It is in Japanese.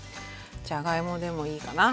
じゃがいもでもいいかな。